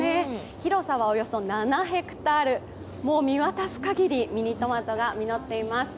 広さはおよそ７ｈａもう見渡すかぎりミニトマトが実っています。